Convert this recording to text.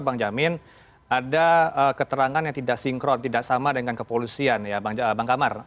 bang jamin ada keterangan yang tidak sinkron tidak sama dengan kepolisian ya bang kamar